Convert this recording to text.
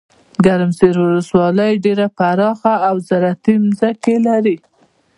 ګرمسیرولسوالۍ ډیره پراخه اوزراعتي ځمکي لري.